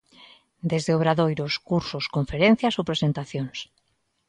Desde obradoiros, cursos, conferencias ou presentacións.